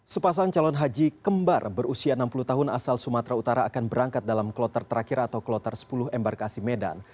sepasang calon haji kembar berusia enam puluh tahun asal sumatera utara akan berangkat dalam kloter terakhir atau kloter sepuluh embarkasi medan